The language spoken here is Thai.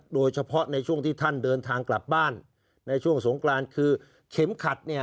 โดยเฉพาะในช่วงที่ท่านเดินทางกลับบ้านในช่วงสงกรานคือเข็มขัดเนี่ย